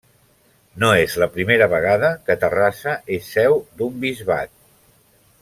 No és la primera vegada que Terrassa és seu d'un bisbat.